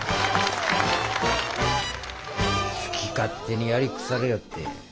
好き勝手にやりくさりよって。